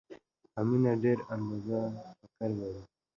امونه ډېره اندازه شکر لري